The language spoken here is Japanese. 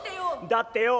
「だってよ